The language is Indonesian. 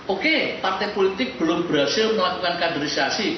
oke partai politik belum berhasil melakukan kaderisasi